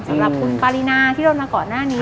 สำหรับคุณปารีนาที่โดนมาก่อนหน้านี้